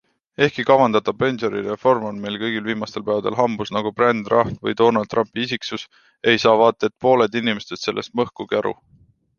Ehkki kavandatav pensionireform on meil kõigil viimastel päevadel hambus nagu brändrahn või Donald Trumpi isiksus, ei saa vaat et pooled inimestest sellest mõhkugi aru.